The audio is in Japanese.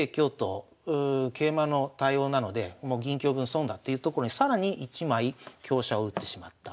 桂馬の対応なのでもう銀香分損だっていうところに更に１枚香車を打ってしまった。